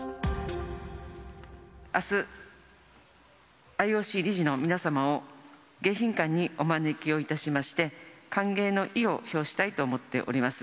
あす、ＩＯＣ理事の皆様を迎賓館にお招きをいたしまして、歓迎の意を表したいと思っております。